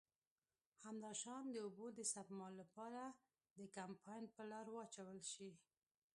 همداشان د اوبو د سپما له پاره د کمپاین پر لاره واچول شي.